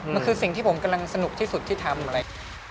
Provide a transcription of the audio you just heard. มันคือสิ่งที่ผมกำลังสนุกที่สุดที่ทำอะไร